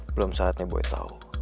belum saatnya boy tau